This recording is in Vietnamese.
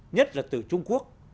nhất là từ trung quốc